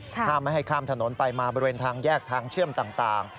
ถ้าไม่ให้ข้ามถนนไปมาบริเวณทางแยกทางเชื่อมต่าง